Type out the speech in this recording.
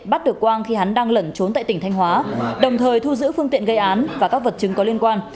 bắt được quang khi hắn đang lẩn trốn tại tỉnh thanh hóa đồng thời thu giữ phương tiện gây án và các vật chứng có liên quan